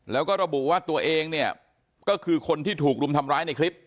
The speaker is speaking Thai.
แล้วก็ระบุว่าตัวเองเนี่ยก็คือคนที่ถูกรุมทำร้ายในคลิป